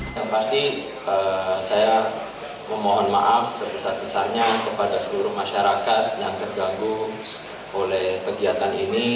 yang pasti saya memohon maaf sebesar besarnya kepada seluruh masyarakat yang terganggu oleh kegiatan ini